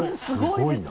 すごいな。